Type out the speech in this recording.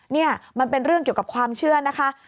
นี่มันเป็นเรื่องเกี่ยวกับความเชื่อนะคะ